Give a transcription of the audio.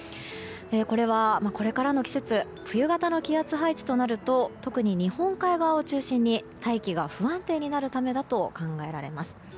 これは、これからの季節冬型の気圧配置となると特に日本海側を中心に大気が不安定になるためだと考えられます。